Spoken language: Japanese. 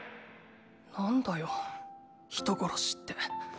なんだよ人殺しって。